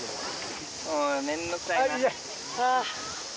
面倒くさいな。